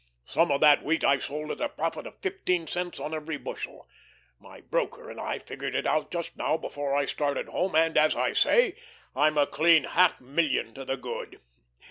Some of that wheat I sold at a profit of fifteen cents on every bushel. My broker and I figured it out just now before I started home, and, as I say, I'm a clean half million to the good.